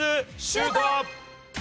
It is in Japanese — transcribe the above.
シュート！